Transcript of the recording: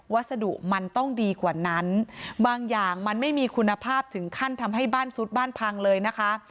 วัสดุมันต้องดีกว่านั้นบางอย่างมันไม่มีคุณภาพถึงขั้นทำให้บ้านซุดบ้านพังเลยนะคะ